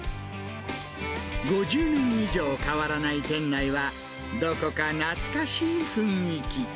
５０年以上変わらない店内は、どこか懐かしい雰囲気。